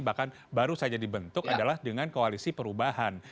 bahkan baru saja dibentuk adalah dengan koalisi perubahan